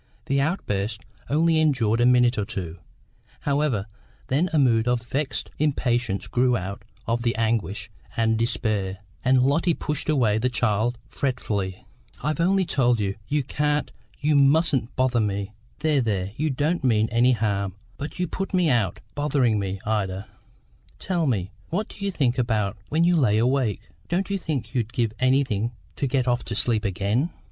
The outburst only endured a minute or two, however; then a mood of vexed impatience grew out of the anguish and despair, and Lotty pushed away the child fretfully. "I've often told you, you can't, you mustn't bother me. There, there; you don't mean any harm, but you put me out, bothering me, Ida. Tell me, what do you think about when you lay awake? Don't you think you'd give anything to get off to sleep again?